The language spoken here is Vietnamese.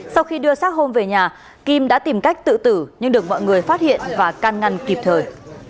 sau khi đưa xác hôm về nhà kim đã tìm cách tự tử nhưng được mọi người phát hiện và can ngăn kịp thời